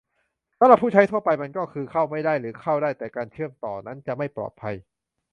สำหรับผู้ใช้ทั่วไปมันก็คือ "เข้าไม่ได้" หรือเข้าได้แต่การเชื่อมต่อนั้นจะไม่ปลอดภัย